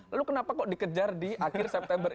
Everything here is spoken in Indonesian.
lalu kenapa kok dikejar di akhir september